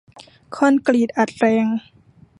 คอนกรีตอัดแรง